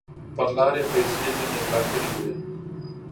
پر لار یې پیسې ځیني غلا کړي وې